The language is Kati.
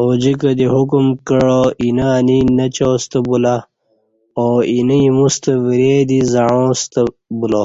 اوجِکہ دی حکم کعا اینہ انی نچاستہ بُولا او اینہ ایموستہ وری دی زعݩاسہ بولا